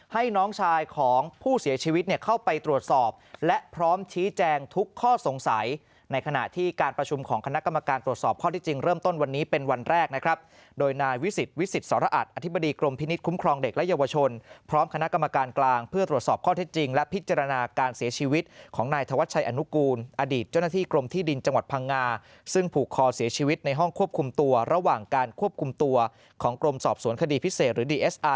ให้น้องชายของผู้เสียชีวิตเนี่ยเข้าไปตรวจสอบและพร้อมชี้แจงทุกข้อสงสัยในขณะที่การประชุมของคณะกรรมการตรวจสอบข้อที่จริงเริ่มต้นวันนี้เป็นวันแรกนะครับโดยนายวิสิตวิสิตสระอัดอธิบดีกรมพินิศคุ้มครองเด็กและเยาวชนพร้อมคณะกรรมการกลางเพื่อตรวจสอบข้อที่จริงและพิจารณาการเส